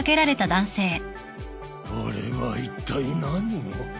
俺はいったい何を。